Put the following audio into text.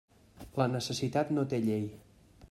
La necessitat no té llei.